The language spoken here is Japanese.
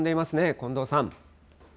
近藤さん。